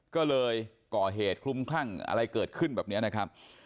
ก็เลยก่อเหตุคลุมคลั่งอะไรเกิดขึ้นแบบนี้นะครับ